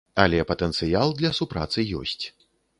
Але патэнцыял для супрацы ёсць.